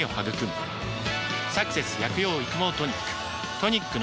「サクセス薬用育毛トニック」